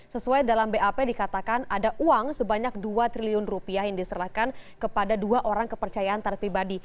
sesuai dalam bap dikatakan ada uang sebanyak dua triliun rupiah yang diserahkan kepada dua orang kepercayaan taat pribadi